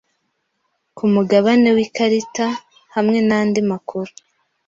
ku mugabane wikarita hamwe nandi makuru